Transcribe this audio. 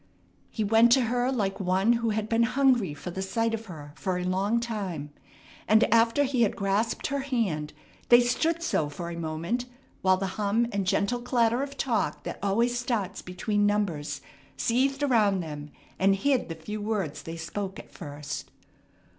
He went to her like one who had been hungry for the sight of her for a long time, and after he had grasped her hand they stood so for a moment while the hum and gentle clatter of talk that always starts between numbers seethed around them and hid the few words they spoke at first.